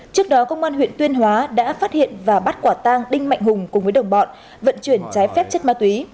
trước đó công an huyện tuyên hóa đã phát hiện và bắt quả tang đinh mạnh hùng cùng với đồng bọn vận chuyển trái phép chất ma túy